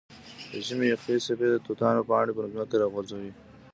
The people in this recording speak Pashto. د ژمي یخې څپې د توتانو پاڼې پر ځمکه راغورځوي.